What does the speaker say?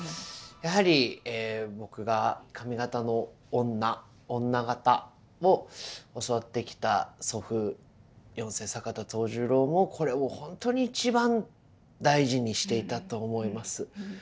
やはり僕が上方の女女方を教わってきた祖父四世坂田藤十郎もこれを本当に一番大事にしていたと思います。